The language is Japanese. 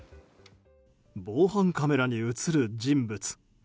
防犯カメラに映る人物。